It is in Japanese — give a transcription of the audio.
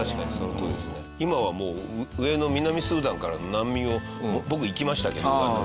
今はもう上の南スーダンからの難民を僕行きましたけどウガンダ。